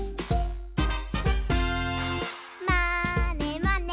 「まーねまね」